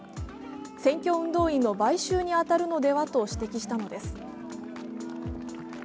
選挙運動員の買収に当たるのではと指摘したのです。